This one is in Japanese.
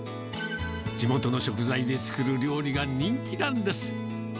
地元の食材で作る料理が人気なんです。